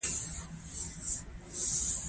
شبکیه دوه ډوله مخروطي او استوانه یي حجرې لري.